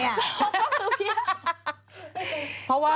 ก็คือเพราะว่า